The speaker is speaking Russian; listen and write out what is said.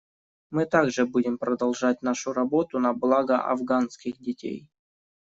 Мы также будем продолжать нашу работу на благо афганских детей.